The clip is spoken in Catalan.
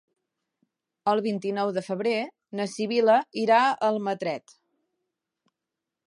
El vint-i-nou de febrer na Sibil·la irà a Almatret.